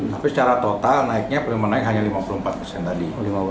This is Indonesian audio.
tapi secara total naiknya naik hanya lima puluh empat persen tadi